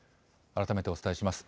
改めてお伝えします。